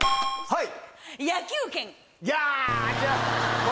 はい。